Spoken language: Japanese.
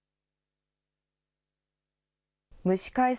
むし返す